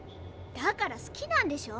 だから好きなんでしょ？